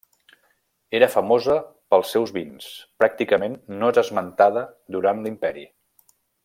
Era famosa pels seus vins; pràcticament, no és esmentada durant l'Imperi.